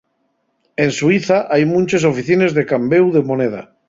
En Suiza hai munches oficines de cambéu de moneda.